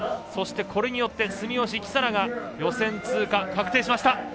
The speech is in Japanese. そして、これによって住吉輝紗良が予選通過確定しました。